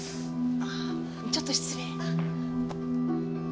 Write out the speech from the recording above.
あちょっと失礼。